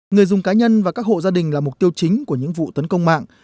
người dùng cá nhân và các hộ gia đình là mục tiêu chính của những vụ tấn công mạng